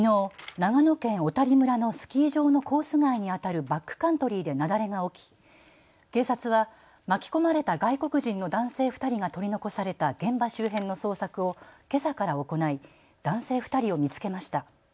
長野県小谷村のスキー場のコース外にあたるバックカントリーで雪崩が起き警察は巻き込まれた外国人の男性２人が取り残された現場周辺の捜索をけさから行い男性２人を見つけました。